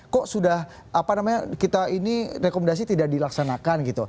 kok sudah apa namanya kita ini rekomendasi tidak dilaksanakan gitu